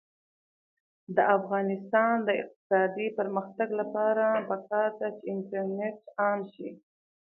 د افغانستان د اقتصادي پرمختګ لپاره پکار ده چې انټرنیټ عام شي.